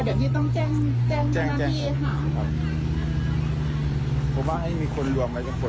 เดี๋ยวพี่ต้องแจ้งแจ้งแจ้งค่ะเพราะว่าให้มีคนรวมไว้ทั้งหมด